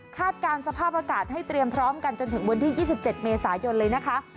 การสภาพอากาศให้เตรียมพร้อมกันจนถึงวันที่๒๗เมษายนเลยนะคะ